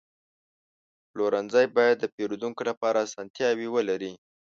پلورنځی باید د پیرودونکو لپاره اسانتیاوې ولري.